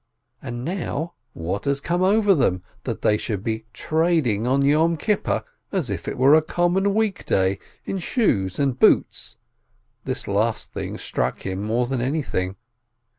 And now what has come over them, that they should be trading on Yom Kippur, as if it were a common week day, in shoes and boots (this last struck him more than anything)